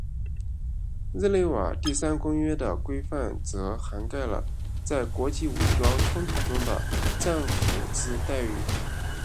日内瓦第三公约的规范则涵盖了在国际武装冲突中的战俘之待遇。